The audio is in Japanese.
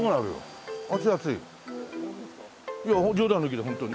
いや冗談抜きでホントに。